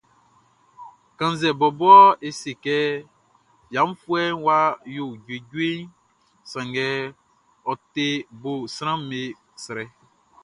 Kannzɛ bɔbɔ e se kɛ fiafuɛʼn wʼa yo juejueʼn, sanngɛ ɔ te bo sranʼm be srɛ.